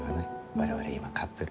我々今カップル。